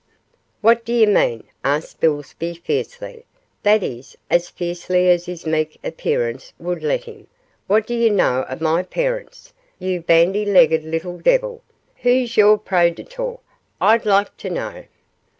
'What d'ye mean,' asked Spilsby, fiercely that is, as fiercely as his meek appearance would let him; 'what do you know of my parents, you bandy legged little devil? who's your progenitor, I'd like to know?